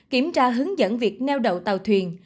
kiểm tra hướng dẫn việc neo đậu tàu thuyền